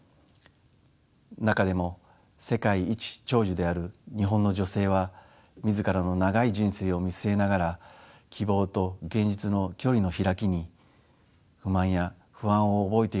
中でも世界一長寿である日本の女性は自らの長い人生を見据えながら希望と現実の距離の開きに不満や不安を覚えているのかもしれません。